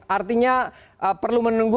artinya perlu menunggu